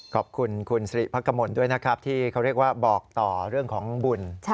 ขอบคุณคุณสิริพักกมลด้วยนะครับที่เขาเรียกว่าบอกต่อเรื่องของบุญ